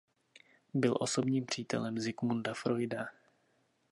Byl osobním přítelem Sigmunda Freuda.